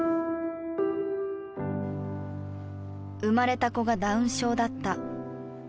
生まれた子がダウン症だった。